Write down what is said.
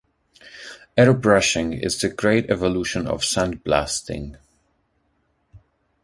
Airbrushing is the great evolution of sandblasting.